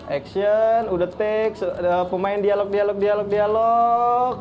action udah take ada pemain dialog dialog dialog dialog